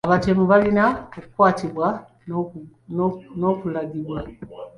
Abatemu balina okukwatibwa n'okulagibwa.